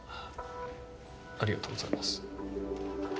ありがとうございます。